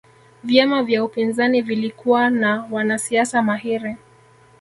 vyama vya upinzani vilikuwa na wanasiasa mahiri